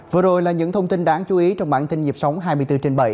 vừa rồi là những thông tin đáng chú ý trong bản tin dịp sóng hai mươi bốn h bảy